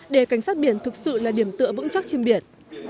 để cảnh sát biển thực sự là điểm tựa vững chắc trên biển